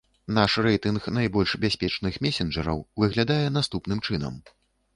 Наш рэйтынг найбольш бяспечных месенджараў выглядае наступным чынам.